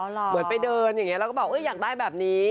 เหมือนไปเดินอย่างนี้แล้วก็บอกอยากได้แบบนี้